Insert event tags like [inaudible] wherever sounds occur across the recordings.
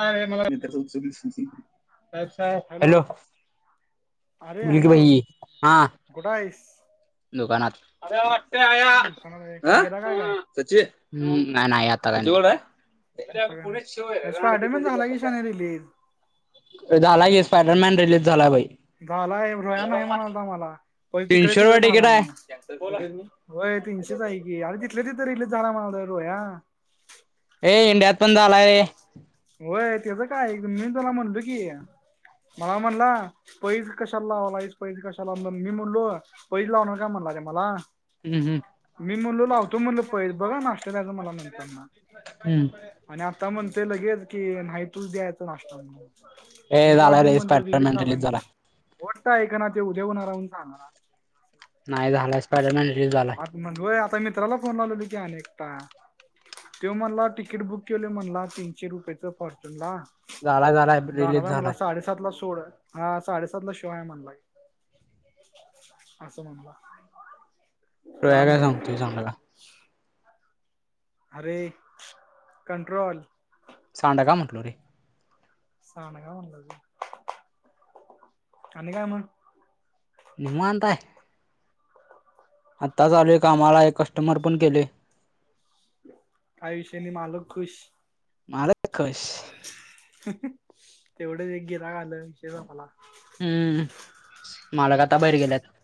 काय नाही मला. [unintelligible] [unintelligible] आहे, हॅलो अरे बोल की हॅलो भाई हा. कुठं आहेस? दुकानात. [unintelligible] दुकानात आहे काय गिराक आहे काय आहे काय? सचिन हम्म नाही-नाही आता काय नाही आहे. आता काय नाही हे स्पायडरमॅन झालाय शहाण्याने रिलीज. झाला की स्पायडरमॅन रिलीज झालाय बाई होय बाबा. आम्हाला तीनशे रुपये टिकीट आहे त्यात कोण आहे. होय तीनशेच आहे की अरे तिथल्या तिथंच रिलीज झालं म्हणालता रोया. काय इंडियात पण झालाय. होय त्याजा काय मी त्याला म्हणलो की मला म्हणला पैज कशाला लावालायस पैज कशाला मी म्हणलो पैज लावणार काय म्हणला रे मला. हम्म मी म्हणलो लावतो म्हणलो पैज बघा नाष्टा द्यायचं हम्म मला नंतर ना. हम्म आणि आता म्हणतय लगेच की नाही तूच द्यायचं नाश्ता म्हणून. ए मी का झालाय देऊ रे म्हणलं रिलीज स्पायडरमॅन झालाय म्हणलं वाटतय ऐकेना ते उद्या होणाराहून सांगणार. नाही झाला स्पायडरमॅन रिलीस झालाय. म्हणलोय आता मित्राला फोन लावलोय की अनेकता. त्यो म्हणला तिकीट बुक केलयं म्हणला तीनशे रुपयेचं फॉर्च्युनला. झालाय झालाय जाणार रिलीज आहे मला झालाय साडेसातला सोड. हा साडेसातला शो आहे म्हणलाय असं म्हणला. रोया काय त्यामुळे सांगतोयस आम्हाला अरे कंट्रोल सांडगा म्हटलो रे सांडगा म्हटलो रे आणि काय म्हण. निवांत आहे. आत्ताच आलोय कामाला एक कस्टमर पण केले. आयुष्याने मालक खुश मालक खूश तेवढं एक गिरायक आलं देऊया मला हम्म मालक आता बाहेर गेल्यात.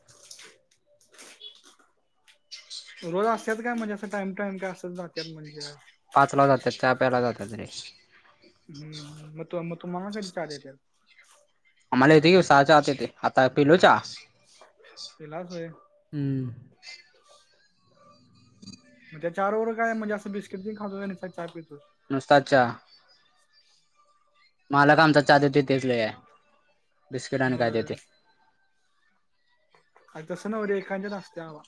रोज असत्यात का? म्हणजे असं टाइम टाइम काय असच जात्यात म्हणजे काय? पाच ला जात्यात चहा प्यायला जातात रे हम्म मथून मथून म्हणून त्या चहा देत्यात आम्हाला येते सहाच्या आत येते आता पिलो चहा पिलास व्हय हम्म. म्हणजे चार बरोबर काय म्हणजे असं बिस्कट बी खातोय आणि चहा पितोस. नुसता चहा मालक आमचा चहा देते तेच लय आहे बिस्किट आणि काय होय देते. अरं तसं नव्ह रे एकांच्यात असते हवा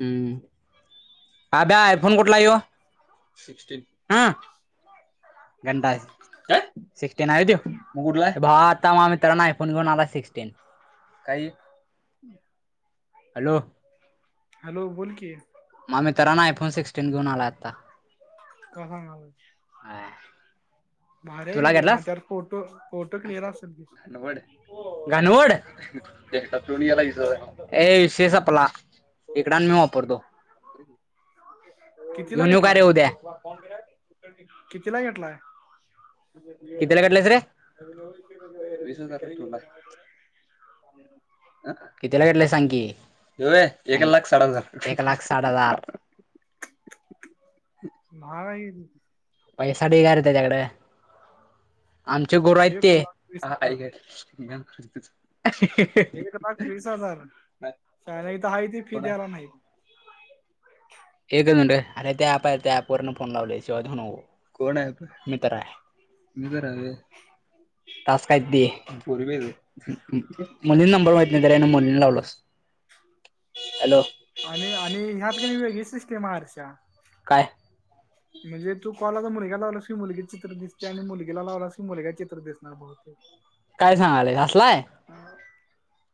हम्म अब्या आयफोन कुठलायं ह्यो सिक्स्टी हं गंडा आहे. काय? सिक्सटीन आहे त्यो मग कुठला हाय मग आता मग मित्रानं आयफोन घेऊन आलाय सिक्सटीन काही हॅलो.. हॅलो बोल की मग मित्रानं आयफोन सिक्सटीन घेऊन आलाय आत्ता अ हां हज भारी हाय तुला रे घेतलास मतर फोटो फोटो क्लिअर असल. हो गानवड एकटा थोडी ह्याला इझवलंय ये शेष आपला इकडं आन मी वापरतो. कितीला घेऊन येऊ का रे घेतलाय उद्या कितीला घेतलाय. किथीला घेतलायस रे वीस हजार अ कितीला घेतलय सांग की ह्यो एक लाख साठ हजार एक लाख साठ हजार महागाई पैसा देगारं त्याच्याकडं आमचे गुरु रे आहेत एक ते लाख वीस हजार एक लाख वीस हजार च्यायला इथं आहे ती फी द्यायला नाही. एकच म्हनतोय अरे ते ऍप आहे त्या ऍप वरून फोन लावल्या शिवाय कोण आहे? मितर्र आहे. मी तर तास काही पोरी पाज मुनं नंबर माहितीन ते आहे मुनलावळो हॅलो आणि आणि ह्यात की नाही वेगळी सिस्टीम आहे हर्षा. काय? म्हणजे तू कॉला आता मुलग्याला लावलास की मुलगीच चित्र दिसतय, आणि मुलगीला लावलास की मुलग्याचे चित्र दिसणार बहुतेक. काय सांगालायस असलाय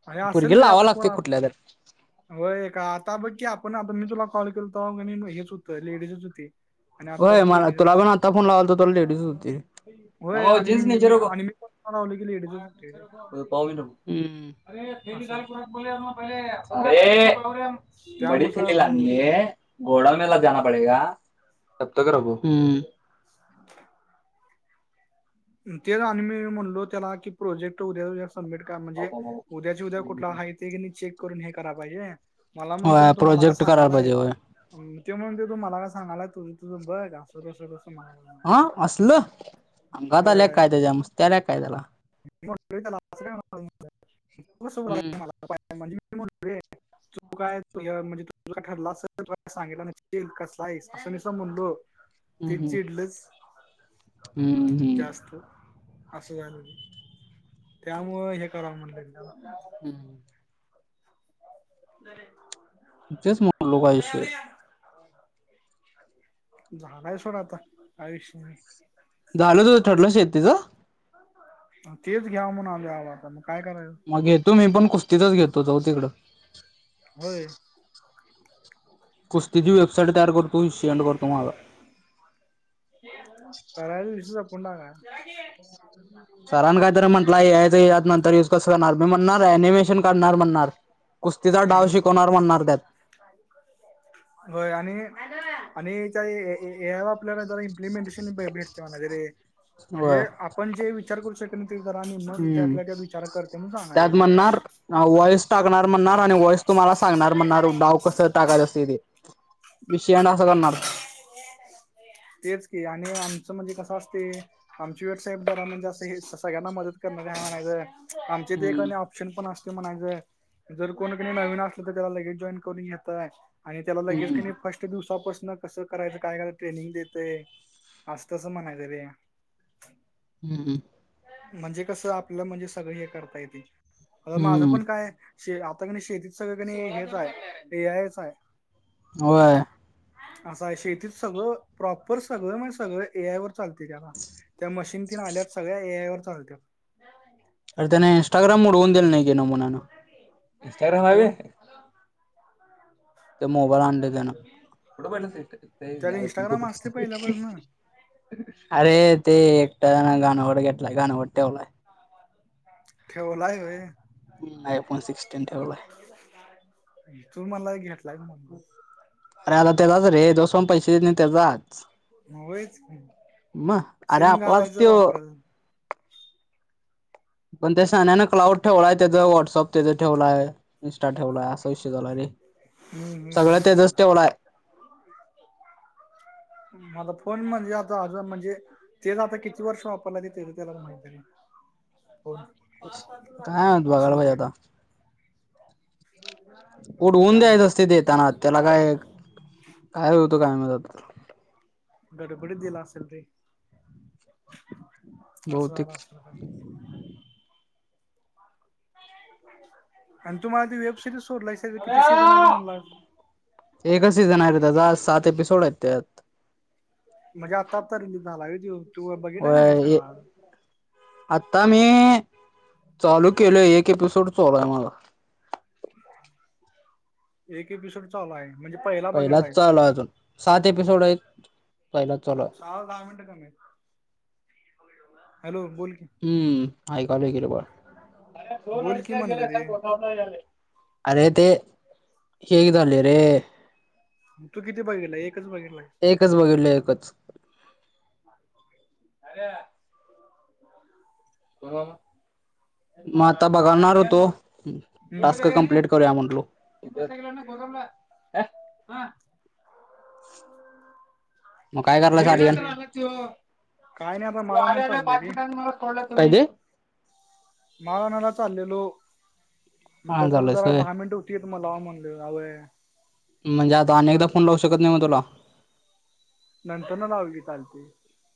ह्या असल रे आता कोण लागतय आप कुठल्या तर होय का आता बघ की आपण आपण मी तुला कॉल केलतो हेच हुत लेडीजच होती. आणि आता व्हय, पण तुला लेडीजच पण आहे आता फोन लावालतो तर लेडीजच होती. होय आणि मी मी मी आणि मी पण लावलोय की लेडीजच होती. अ पाव [unintelligible] अरे [inaudible] असं पहिले, ए बडे ची त्यानुसार कल होते आणले, घोडा मेला जाना पडेगा. तबतक रखो, हं [unintelligible] तेच आणि मी म्हणलो त्याला की प्रोजेक्ट उद्या जास्त सबमिट करा म्हणजे उद्याचे उद्या कुठला आहे ते की नयी चेक करून हे कराय पाहिजे. मला म्हणतोय, होय मग तु मला काय प्रोजेक्ट करायला पाहिजे सांगालाय? होय. त्यो म्हणतोय तू मला का सांगालाय, तुझ तुझ बघ अस तसं तस म्हणायला अ असल, अंगात आल्या होय काय त्याच्या, मस्ती आल्या काय त्याला. मी म्हंटलो की त्याला, अस काय हम्म म्हणायलायस म्हंटल [inaudible] तू काय य म्हणजे तुझ काय ठरल असल, तु काय सांगितलं नसशील, कसा हाईस अस नुसता म्हणलो ते हम्म चिडलच हम्म हम्म हम्म जास्त असं झाल ते. त्यामुळ हे कराव म्हणल एकदा हम्म धर रे, तेच म्हटलो काय ए विषय अवऱ्या झालाय सोड आता, काय विषय नाही. झालं तुझं, ठरलं शेतीच? तेच घ्याव म्हणालोय ओ आता मग काय करायचं. मग घेतो, मी पण कुस्तीतच घेतो जाऊ तिकड. होय. कुस्तीची वेबसाईट तयार करतो, ही सेंड कर तु मला. करायच विषय संपून टाका. [inaudible] सरानं काय तर म्हटलाय ए आय च यात नंतर युज कसं करणार, मी म्हणणार अनिमेशन करणार, म्हणणार. कुस्तीचा डाव शिकवणार म्हणणार त्यात गाडी करून जायाच. होय आणि त्या ए आय वर आपल्याला जरा इम्प्लिमेंटेशन भे भेटत ते म्हणायचं रे होय म्हणजे आपण जे विचार करू शकत ते जरा आणि मग हम्म त्यातला त्या विचार करते म्हणून सांगायच. हा वॉइस टाकणार म्हणणार आणि वॉइस तुम्हाला सांगणार म्हणणार, डाव कस टाकायत असतय ते? विषंय एन्ड असं करणार. तेच की आणि आमचं म्हणजे कसं असतय आमची वेबसाईट जरा म्हणजे अस हे सगळ्यांना मदत करणारी आहे म्हणायच, आमच्या इथं हम्म एक ऑप शन पण असतय म्हणायच, जर कोणी क नयी नवीन असलं तर त्याला लगेच जॉईन करून घेतय. आणि त्याला हम्म लगेच क नयी फर्स्ट दिवसापासन कस करायचं काय करायच ट्रेनिंग देत ते अस तसं म्हणायच रे हू हू म्हणजे कसं आपलं म्हणजे सगळ हे करता येते माझं हम्म पण काय आता कणी शेतीत सगळं कणी हेच हाय ए आयच हाय होय असं हाय शेतीत सगळं प्रॉपर सगळं म्हणजे सगळं ए आय वर चालतय त्याला त्या मशीन तेन आल्यात सगळ्या ए आय वर चालल्यात अर त्यान इनस्टाग्राम उडवून दिलं नाही की नमुन्यानं इंस्टाग्राम हाय कोण व्हय त्या मोबाईल आणले त्यान त्यात इंस्टाग्राम असते पहिल्यापासून अरे ते एकट्यानं घाणवट घेतलाय घाणवट ठेवलाय ठेवलाय व्हय हम्म, आयफोन सिक्स्टीन ठेवलाय तू मला घेतलायस म्हंटलास अरे आता त्याचाच रे जोस पर्यंत पैसे येत नाहीत त्याचा होयच की म अरे सिम आपलाच घालायचं त्यो वापरायचं पण त्या श्यान्यान क्लाउड ठेवलाय त्याच व्हॉट्सअप त्याच ठेवलाय ठेवलाय असा विषय झालाय रे हम्म सगळ त्याजच ठेवलाय म आता फोन म्हणजे आता अजून म्हणजे तेच आता किती वर्ष वापरलाय ते त्याज त्यालाच माहीती पाच पासून काय माहित, झाला असं बघायला पाहिजे होतंय आता उडवून द्यायच असतय त्यामुळं ते देताना त्याला काय काय होतं काय माहित आता गडबडीत दिला असल रे असं झालं बहुतेक असल आणि तू मला ते वेब सिरीज शोधलायस त्याच किती सीजन हाइत म्हणलास एकच सीझन हाय रे त्याचा सात एपिसोड हाइत त्यात म्हणजे आत्ता आत्ता रिलीज झाला व्हय तू बघितला का नाही वय सगळा आता मी चालू केलोय एक एपिसोड चालू हाय माझा एक एपिसोड चालू हाय म्हणजे पहिला पहिलाच बघितलाय चालू हाय अजून सात एपिसोड हाइत सहा ला दहा मिनट कमी हाइत हॅलो बोल की हू ऐकलोय की रे बाळ बोल की म्हणलं रे [unintelligible] अरे ते हे एक झालंय रे तू किती बघितलाय एकच बघितलाय एकच बघितलोय एकच [unintelligible] आर्या म आताा बघाणार होतो हम्म टास्क कंप्लीट करूया म्हणलो [inaudible] मग काय करायला काडला तेच रे काय नाही आता माळाण्याला चाललोय रे [unintelligible] काय ते [unintelligible] माळ आणायला चाललेलो म हा तो पर्यंत झालंस जरा होय दहा मिनट हुतीत म लाव म्हणलो वय म्हणजे आता असं अनेकदा झालं फोन लावू शकत नाही म तुला नंतरला लाव की चालते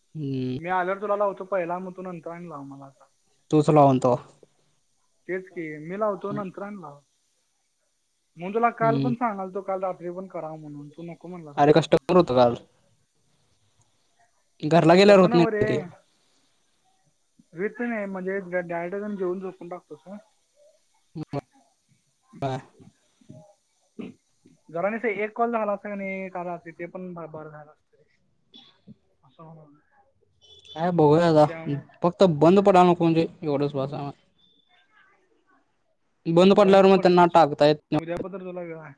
हम्म मी आल्यावर तुला लावतो पहिला मग तू नंतर लाव मला आता तूच लावण तवा तेच की मी लावतो नंतर आणि लाव म्हणून तुला काल हम्म पण सांगलतो काल रात्री पण कराव म्हणून तू न अरे कस्टमर होत काल. घरला गेल्यावर तसं होत नाही ते. व्हित नाही म्हणजे डायरेक्ट जाऊन जेऊन झोपून टाकतो ना‌. म. [inaudible] जरा कस एक कॉल झाला असता कणी, काल रात्री ते पण बर झाला असत रे. असं होय. काय बघूया आता फक्त बंद पडाय नको म्हणजे एवढच बास हाय. बंद पडल्यावर मग पडत त्यांना नाही टाकता येत सोड, उद्या पतूर तुला वेळ हाय.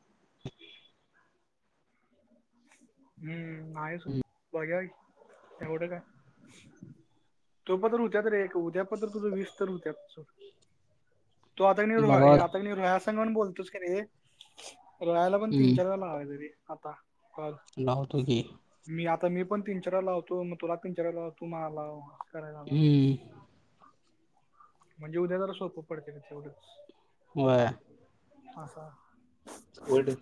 हम्म आहे सोड बघूया की तेवढं काय? तो पतूर हुत्यात रे तु उद्या पतूर तुझ वीस तर होत्यात सोड. तू आता कणी नाही रो बघा हे आता कानी रोह्या संग बोलतोस कणी रोह्या ला पण तीन चार हम्म वेळा लावायचं रे आता कॉल. लावतो की मी आता मी पण तीन चार वेळा लावतो मग तुला तीन चार वेळा लाव तू मला लाव अस करायचं आत्ता. हम्म म्हणजे उद्या जरा सोपं पडत तेवढंच. व्हय. आसा. वड.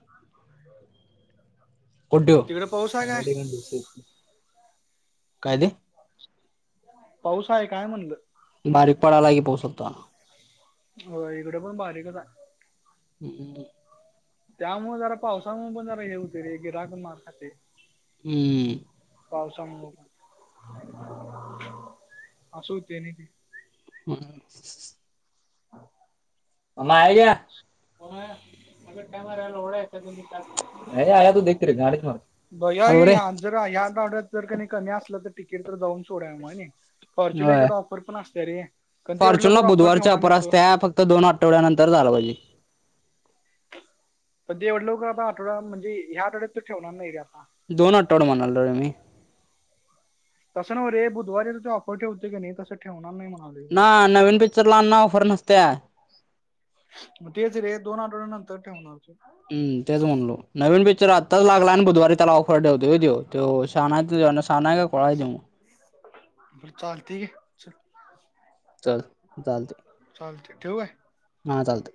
कुठं ठेवू तिकडे पाऊस आहे काय? चांगल्या ठिकाणी ठेवशील. काय ते? पाऊस आहे काय म्हणलं? बारीक पडालय की पाऊस आत्ता. व्हय इकड पण बारीक च हाय. हम्म्. त्यामुळ जरा पावसामुळ पण जरा हे होतय रे गिऱ्हाक मार खातंय. हम्म. पावसामुळं पण ह अस व्हतय रे. हम. हा. आये क्या? मेरे आये तो देख तेरे आ गाडी ख. भैया ह्या जर ह्या ऑर्डर जर का कमी असलं तर तिकीट तर जाऊन सोडा मग हनी फॉर्च्युन होय हेच्यात ऑफर पण असतीया रे. पण ते एवढं फॉर्च्युनला लवकर बुधवारच्या ठेवणार ऑफर नाही सोड. असत्या फक्त दोन आठवड्यानंतर जायला पाहिजे. तर एवढ्या लवकर आता आठवड्यात म्हणेज ह्या आठवड्यात तर ठेवणार नाही रे आता. दोन आठवडे म्हणालो रे मी. तसं नव रे बुधवारी तिथ ऑफर ठेवतो, कणी तस ठेवणार नाही म्हणालोय. आण्णा नवीन पिक्चरला आण्णा ऑफर नसत्या. मग तेच रे दोन आठवड्या नंतर ठेवणार. हम् तेच म्हणलो नवीन पिक्चर आताच लागला आणि बघ बुधवारी त्याला ऑफर ठेवतोय होय त्यो शाणा शहाणा हाय काय खुळा हाय त्यो. मग चालतय घे चल. चल. चालतंय चालतय ठेवु काय? हा चालतंय